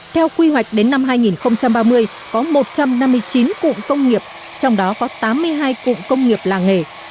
theo quy hoạch đến năm hai nghìn ba mươi có một trăm năm mươi chín cụm công nghiệp trong đó có tám mươi hai cụm công nghiệp làng nghề